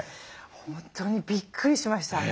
本当にびっくりしました。